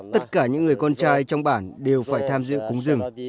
tất cả những người con trai trong bản đều phải tham dự cúng rừng